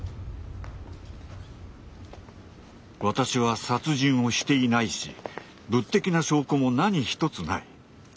私は殺人をしていないし物的な証拠も何一つない。